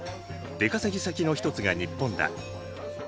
出稼ぎ先の一つが日本だ。